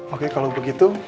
oke kalau begitu